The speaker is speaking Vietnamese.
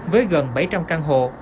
với gần bảy trăm linh căn hộ